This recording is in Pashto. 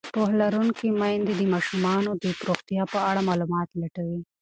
پوهه لرونکې میندې د ماشومانو د روغتیا په اړه معلومات لټوي.